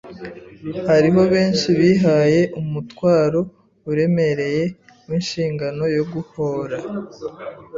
Hariho benshi bihaye umutwaro uremereye w’inshingano yo guhora